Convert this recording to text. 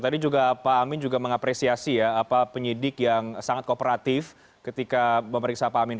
tadi juga pak amin juga mengapresiasi ya apa penyidik yang sangat kooperatif ketika memeriksa pak amin